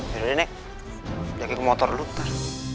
yaudah nek jaga motor dulu ntar